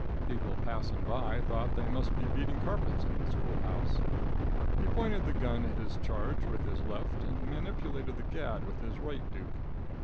"People passing by thought they must be beating carpets in the school house. He pointed the gun at his charge with his left and manipulated the gad with his right duke.